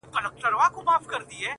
ستا زړه ته خو هر څوک ځي راځي گلي.